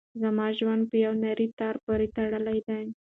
زما ژوند په یوه نري تار پورې تړلی دی.